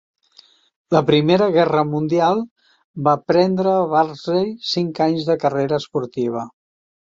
La Primera Guerra Mundial va prendre a Bardsley cinc anys de carrera esportiva.